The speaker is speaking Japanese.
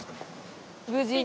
無事に。